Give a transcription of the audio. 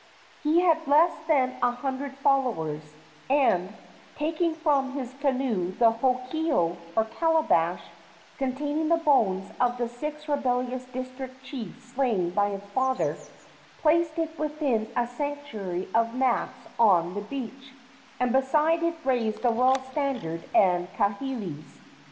He had less than a hundred followers, and, taking from his canoe the hokeo, or calabash, containing the bones of the six rebellious district chiefs slain by his father, placed it within a sanctuary of mats on the beach, and beside it raised the royal standard and kahilis.